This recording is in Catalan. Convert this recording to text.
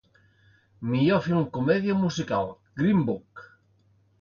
Millor film comèdia o musical: ‘Green Book’